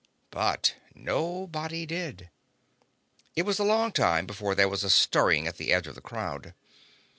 But nobody did. It was a long time before there was a stirring at the edge of the crowd.